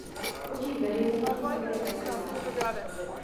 V očích veřejnosti jsem teď za hlupáky.